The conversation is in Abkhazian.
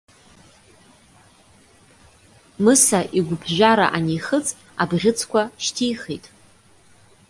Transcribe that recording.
Мыса игәыԥжәара анихыҵ абӷьыцқәа шьҭихит.